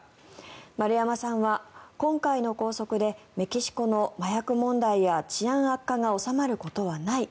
丸山さんは今回の拘束でメキシコの麻薬問題や治安悪化が収まることはない。